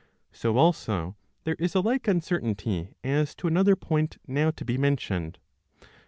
So also there is a like uncertainty as to another point now to be mentioned.